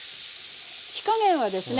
火加減はですね